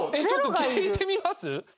ちょっと聞いてみます？